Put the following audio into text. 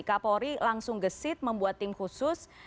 kapolri langsung gesit membuat tim khusus